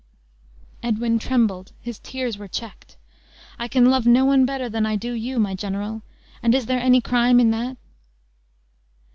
Edwin trembled; his tears were checked. "I can love no one better than I do you, my general! and is there any crime in that?"